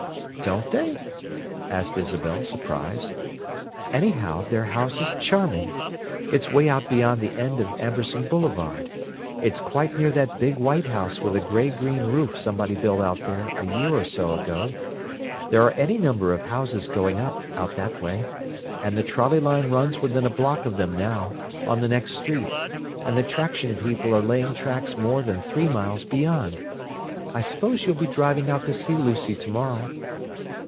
"Don't they?" asked Isabel, surprised. "Anyhow, their house is charming. It's way out beyond the end of Amberson Boulevard; it's quite near that big white house with a gray green roof somebody built out there a year or so ago. There are any number of houses going up, out that way; and the trolley line runs within a block of them now, on the next street, and the traction people are laying tracks more than three miles beyond. I suppose you'll be driving out to see Lucy to morrow."